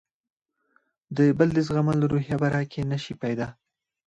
د بل د زغملو روحیه به راکې نه شي پیدا.